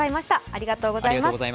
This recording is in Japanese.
ありがとうございます。